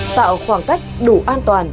tạo khoảng cách đủ an toàn